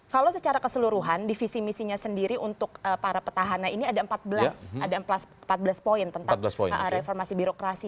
kalau secara keseluruhan divisi misinya sendiri untuk para petahana ini ada empat belas poin tentang reformasi birokrasi